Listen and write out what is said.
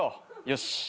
よし。